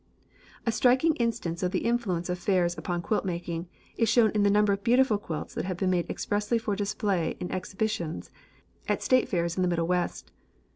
A striking instance of the influence of fairs upon quilt making is shown in the number of beautiful quilts that have been made expressly for display in exhibitions at state fairs in the Middle West.